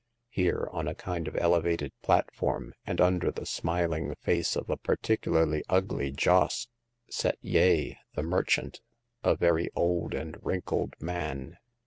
Here, on a kind of elevated platform, and under the smiling face of a particularly ugly Joss, sat Yeh, the merchant, a very old and wrinkled man.